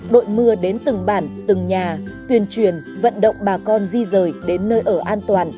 đội mưa đến từng bản từng nhà tuyên truyền vận động bà con di rời đến nơi ở an toàn